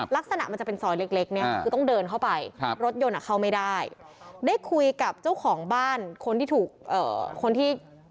ลักษณะมันจะเป็นซอยเล็กเนี่ยคือต้องเดินเข้าไปรถยนต์อ่ะเขาไม่ได้